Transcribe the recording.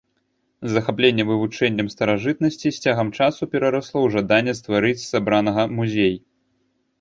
Захапленне вывучэннем старажытнасцей з цягам часу перарасло ў жаданне стварыць з сабранага музей.